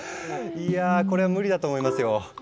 いやこれは無理だと思いますよ。